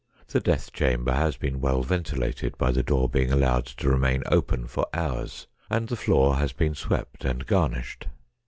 The death chamber has been well ventilated by the door being allowed to remain open for hours, and the floor has been swept and garnished.